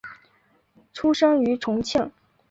出生于重庆。